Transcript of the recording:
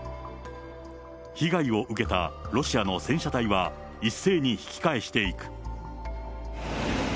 被害を受けたロシアの戦車隊は一斉に引き返していく。